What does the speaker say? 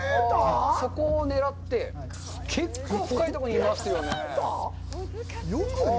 そこを狙って、結構深いところにいますよね。